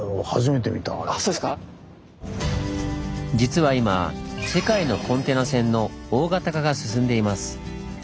実は今世界のコンテナ船の大型化が進んでいます。